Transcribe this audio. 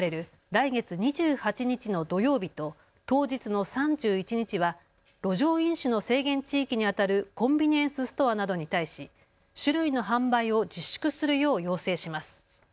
来月２８日の土曜日と当日の３１日は路上飲酒の制限地域にあたるコンビニエンスストアなどに対し酒類の販売を自粛するよう要請します。